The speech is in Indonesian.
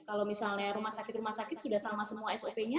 kalau misalnya rumah sakit rumah sakit sudah sama semua sop nya